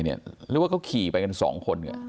หรือก็ขี่ไปกัน๒คน